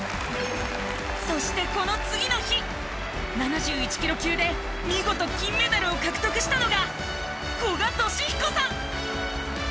そしてこの次の日７１キロ級で見事金メダルを獲得したのが古賀稔彦さん。